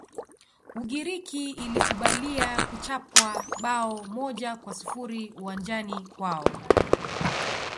ugiriki ilikubalia kuchapwa bao moja kwa sifuri uwanjani kwao